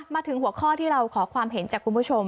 มาถึงหัวข้อที่เราขอความเห็นจากคุณผู้ชม